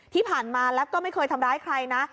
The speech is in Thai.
ที่ผ่านมาแล้วก็ไม่เคยทำร้ายใครนะ